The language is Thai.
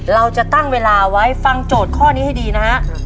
เราจะตั้งเวลาไว้ฟังโจทย์ข้อนี้ให้ดีนะฮะ